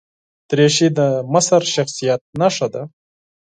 دریشي د مشر شخصیت نښه ده.